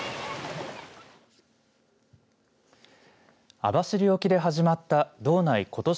網走沖で始まった道内、ことし